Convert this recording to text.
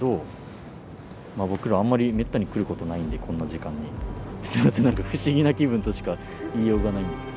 まあ僕らあんまりめったに来ることないんでこんな時間に。すいませんなんか不思議な気分としか言いようがないんですけど。